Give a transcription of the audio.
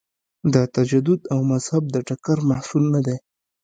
د تجدد او مذهب د ټکر محصول نه دی.